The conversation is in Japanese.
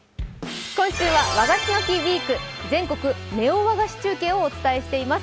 今週は「和菓子の日ウィーク全国ネオ和菓子中継」をお伝えしています。